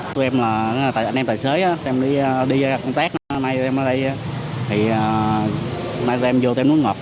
tụi em là anh em tài xế tụi em đi công tác nay tụi em ở đây thì nay tụi em vô thêm nước ngọt